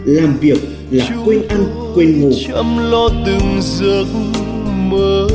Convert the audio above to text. làm việc là quên ăn quên ngủ